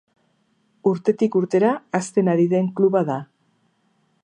Urtetik urtera hazten ari den kluba da.